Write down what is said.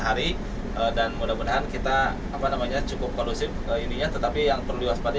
hari dan mudah mudahan kita apa namanya cukup kondusif ininya tetapi yang perlu diwaspadai